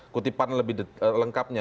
kutipan lebih lengkapnya